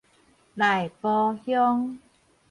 內埔鄉